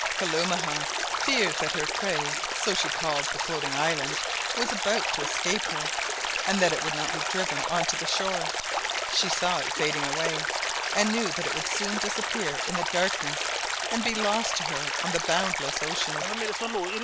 Kalumah feared that her "prey," so she called the floating island, was about to escape her, and that it would not be driven on to the shore. She saw it fading away, and knew that it would soon disappear in the darkness and be lost to her on the boundless ocean.